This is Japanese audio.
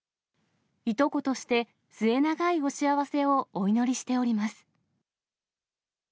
いとことして、末永いお幸せをお祈りしております。